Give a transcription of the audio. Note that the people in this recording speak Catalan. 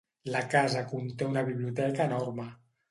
La casa conté una biblioteca enorme.